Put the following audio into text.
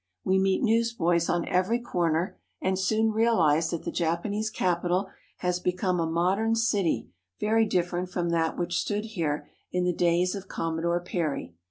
We meet newsboys on every corner, and soon realize that the Japanese capital has be come a modern city very different from that which stood here in the days of Commodore Perry.